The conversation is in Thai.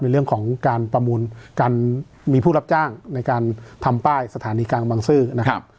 เรื่องของการประมูลการมีผู้รับจ้างในการทำป้ายสถานีกลางบังซื้อนะครับ